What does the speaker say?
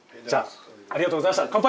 じゃあありがとうございました。